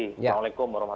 assalamualaikum wr wb